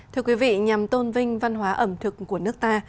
thưa quý vị nhằm tôn vinh văn hóa ẩm thực của nước ta